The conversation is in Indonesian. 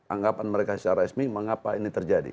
anggapan mereka secara resmi mengapa ini terjadi